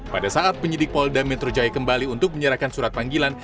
pada saat penyidik polda metro jaya kembali untuk menyerahkan surat panggilan